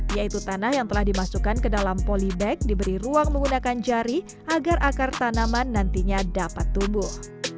yaitu tanah yang telah dimasukkan ke dalam polybag diberi ruang menggunakan jari agar akar tanaman nantinya dapat tumbuh